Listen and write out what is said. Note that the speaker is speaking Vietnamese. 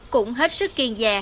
cũng hết sức kiên dè